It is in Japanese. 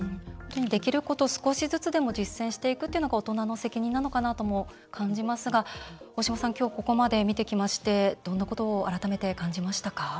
できること少しずつでも実践していくというのが大人の責任なのかなとも感じますが大島さん、きょうここまで見てきましてどんなことを改めて感じましたか？